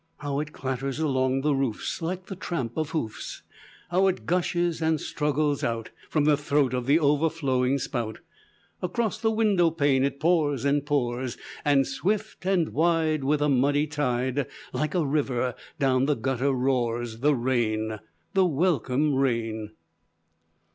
How it clatters along the roofs Like the tramp of hoofs! How it gushes and struggles out, From the throat of the overflowing spout, Across the window pane it pours and pours, And swift and wide, With a muddy tide, Like a river, down the gutter roars The rain, the welcome rain."